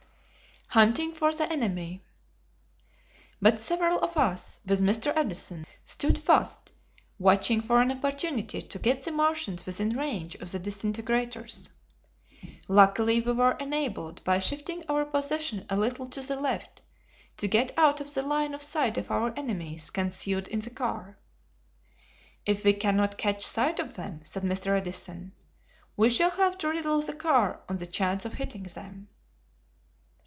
Hunting for the Enemy. But several of us, with Mr. Edison, stood fast, watching for an opportunity to get the Martians within range of the disintegrators. Luckily we were enabled, by shifting our position a little to the left, to get out of the line of sight of our enemies concealed in the car. "If we cannot catch sight of them," said Mr. Edison, "we shall have to riddle the car on the chance of hitting them."